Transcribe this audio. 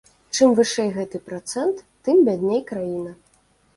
Чым вышэй гэты працэнт, тым бядней краіна.